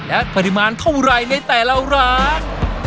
และปริมาณเท่าไหร่ในแต่ละร้าน